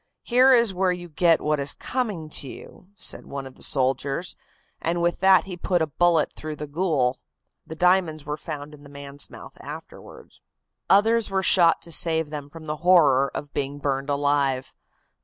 'Here is where you get what is coming to you,' said one of the soldiers, and with that he put a bullet through the ghoul. The diamonds were found in the man's mouth afterward." Others were shot to save them from the horror of being burned alive.